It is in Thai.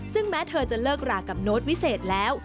ซึ่งแม้เธอจะเลิกรากับโน้ตวิเศษแล้ว